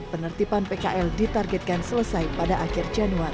penertiban pkl ditargetkan selesai pada akhir januari